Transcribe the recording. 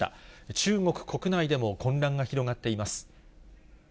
中国国内でも混乱が広がっています。